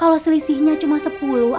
yaudah sudah johannes sentuh